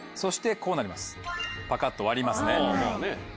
こうなります。